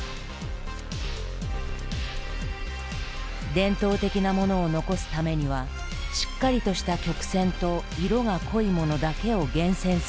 伝統的なものを残すためにはしっかりとした曲線と色が濃いものだけを厳選する必要がある。